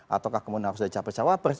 ataukah kemudian harus capres capres